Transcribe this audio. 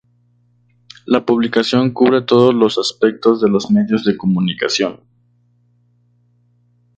La publicación cubre todos los aspectos de los medios de comunicación.